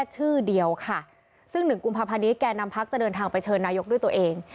ชื่อเดียวค่ะซึ่งหนึ่งกุมภาพันธ์นี้แก่นำพักจะเดินทางไปเชิญนายกด้วยตัวเอง